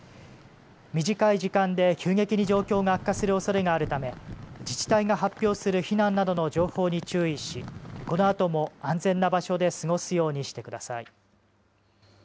短い時間で急激に状況が悪化するおそれがあるため自治体が発表する避難などの情報に注意し、このあとも安全な場所で過ごすようにしてください。